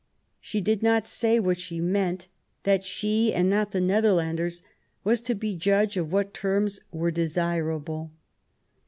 She did not say, what she meant, that she and not the Netherlanders was to be judge of what terms were desirable.